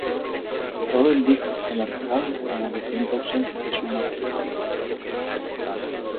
Todo el disco está marcado por la reciente ausencia de su madre.